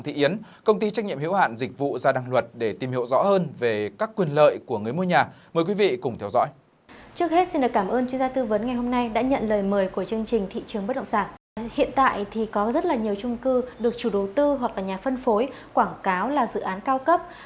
hiện tại thì có rất là nhiều trung cư được chủ đầu tư hoặc là nhà phân phối quảng cáo là dự án cao cấp